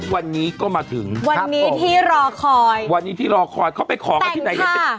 วันนี้ก็มาถึงวันนี้ที่รอคอยวันนี้ที่รอคอยเขาไปขอกันที่ไหน